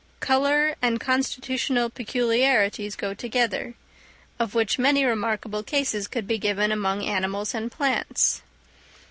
Colour and constitutional peculiarities go together, of which many remarkable cases could be given among animals and plants.